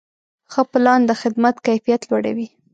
ښه پلان د خدمت کیفیت لوړوي.